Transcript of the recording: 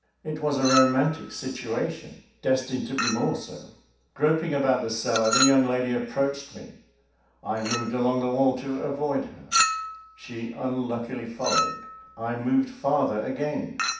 It was a romantic situation destined to be more so. Groping about the cellar, the young lady approached me. I moved along the wall to avoid her. She unluckily followed. I moved farther again.